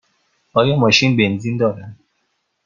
آیا ماشین بنزین دارد؟